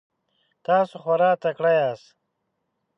تاسو خورا تکړه یاست.